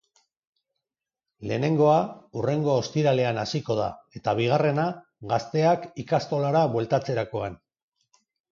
Lehenengoa hurrengo ostiralean hasiko da eta bigarrena gazteak ikastolara bueltatzerakoan.